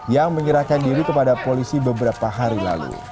yang menyerahkan diri kepada polisi beberapa hari lalu